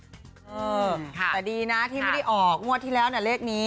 เออแต่ดีนะที่ไม่ได้ออกงวดที่แล้วนะเลขนี้